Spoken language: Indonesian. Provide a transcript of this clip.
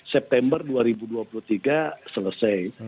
september dua ribu dua puluh tiga selesai